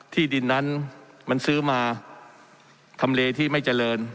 ที่ดินนั้นมันซื้อมาทำเลที่ไม่เจริญ